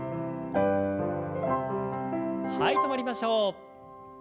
はい止まりましょう。